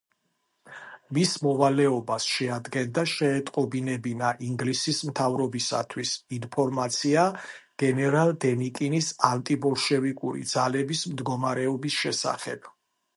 მის მოვალეობას შეადგენდა, შეეტყობინებინა ინგლისის მთავრობისათვის ინფორმაცია გენერალ დენიკინის ანტიბოლშევიკური ძალების მდგომარეობის შესახებ.